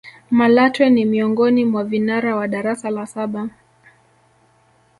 malatwe ni miongoni mwa vinara wa darasa la saba